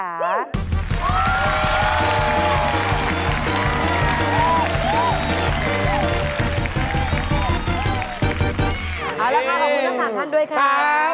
และค่ะขอบคุณทั้ง๓ท่านด้วยครับ